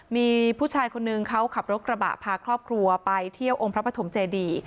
มีผู้ชายคนนึงเขาขับรถกระบะพาครอบครัวไปเที่ยวองค์พระปฐมเจดี